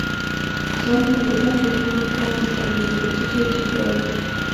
ځان مو د دنګو غرونو په منځ کې ولید، چې ډېر جګ ول.